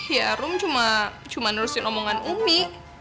ya rum cuma cuma nurusin omongan umi